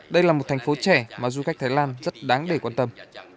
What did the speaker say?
đây là một thành phố trẻ mà du khách thái lan rất đáng để quan tâm